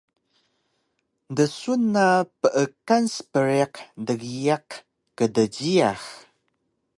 Dsun na peekan spriq dgiyaq kdjiyax